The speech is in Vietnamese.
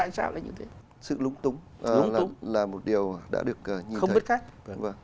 sự lúng túng là một điều đã được nhìn thấy